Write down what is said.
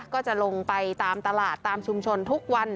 ก็จะลงไปตามตลาดตามชุมชนทุกวัน